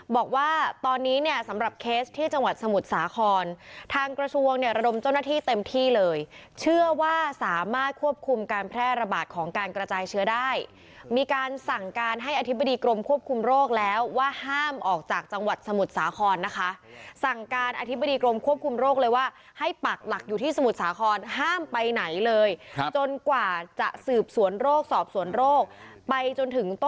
บอกว่าตอนนี้เนี่ยสำหรับเคสที่จังหวัดสมุทรสาครทางกระทรวงเนี่ยระดมเจ้าหน้าที่เต็มที่เลยเชื่อว่าสามารถควบคุมการแพร่ระบาดของการกระจายเชื้อได้มีการสั่งการให้อธิบดีกรมควบคุมโรคแล้วว่าห้ามออกจากจังหวัดสมุทรสาครนะคะสั่งการอธิบดีกรมควบคุมโรคเลยว่าให้ปักหลักอยู่ที่สมุทรสาครห้ามไปไหนเลยครับจนกว่าจะสืบสวนโรคสอบสวนโรคไปจนถึงต